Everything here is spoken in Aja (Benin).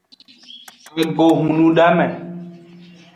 Ago hunudame.